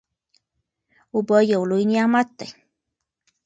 اوبه یو لوی نعمت دی.